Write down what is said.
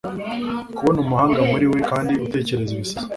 kubona umuhanga muriwe kandi utekereze ibisazi